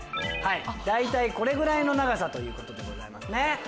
大体これぐらいの長さということですね。